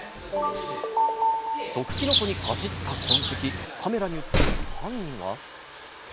毒キノコにかじった痕跡、カメラに映る犯人は？